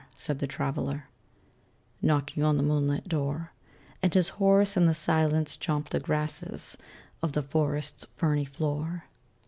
said the Traveler, Knocking on the moonlit door; And his horse in the silence chomped the grasses Of the forest's ferny floor.